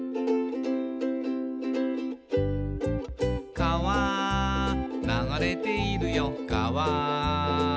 「かわ流れているよかわ」